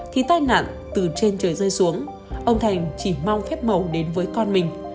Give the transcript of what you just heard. thì tai nạn từ trên trời rơi xuống ông thành chỉ mong phép màu đến với con mình